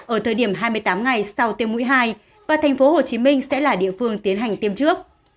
ở thời điểm hai mươi tám ngày sau tiêm mũi hai và tp hcm sẽ là địa phương tiến hành tiêm trước